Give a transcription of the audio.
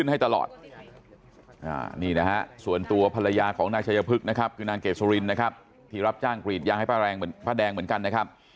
นี่นะฮะส่วนตัวภรรยาของนายชายพึกนะครับคือนางเกษรินนะครับที่รับจ้างกรีดยางให้ป้าแดงเหมือนกันนะครับ